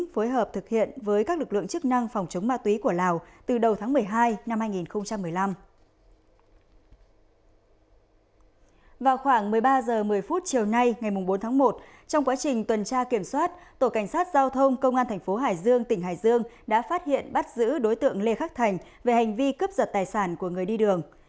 một mươi phút chiều nay ngày bốn tháng một trong quá trình tuần tra kiểm soát tổ cảnh sát giao thông công an thành phố hải dương tỉnh hải dương đã phát hiện bắt giữ đối tượng lê khắc thành về hành vi cướp giật tài sản của người đi đường